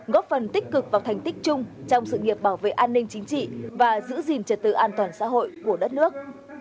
góp phần tích cực vào thành tích chung trong sự nghiệp bảo vệ an ninh chính trị và giữ gìn trật tự an toàn xã hội của đất nước